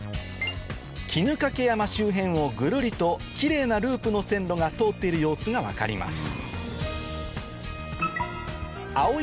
衣掛山周辺をぐるりとキレイなループの線路が通っている様子が分かります